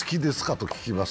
と聞きます。